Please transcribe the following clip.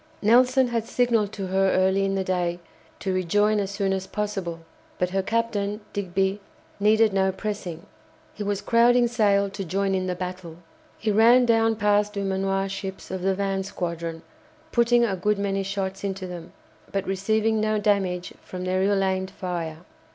Nelson had signalled to her early in the day to rejoin as soon as possible, but her captain, Digby, needed no pressing. He was crowding sail to join in the battle. He ran down past Dumanoir's ships of the van squadron, putting a good many shots into them, but receiving no damage from their ill aimed fire.